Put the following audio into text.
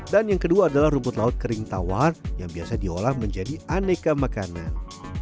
dan yang kedua adalah rumput laut kering tawar yang biasa diolah menjadi aneka makanan